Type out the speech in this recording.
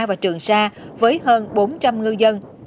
và trường sa với hơn bốn trăm linh ngư dân